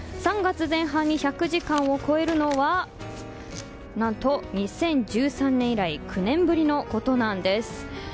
３月前半に１００時間を超えるのは何と２０１３年以来９年ぶりのことなんです。